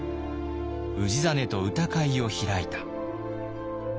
「氏真と歌会を開いた」。